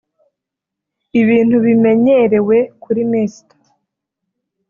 ibintu bimenyerewe kuri Mr